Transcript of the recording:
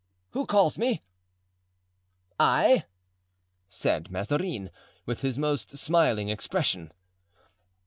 "Who calls me?" "I," said Mazarin, with his most smiling expression.